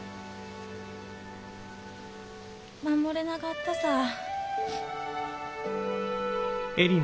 守れなかったさぁ。